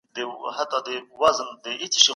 موږ په کمپيوټر کي ډاټا ساتو.